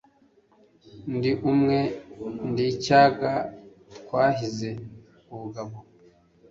ndi kumwe n icyaga twahize ubugabo